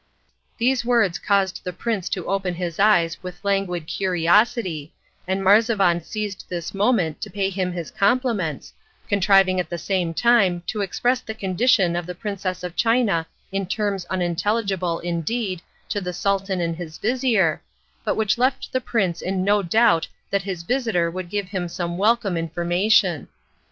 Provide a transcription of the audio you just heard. These words caused the prince to open his eyes with languid curiosity, and Marzavan seized this moment to pay him his compliments, contriving at the same time to express the condition of the Princess of China in terms unintelligible, indeed, to the Sultan and his vizir, but which left the prince in no doubt that his visitor could give him some welcome information.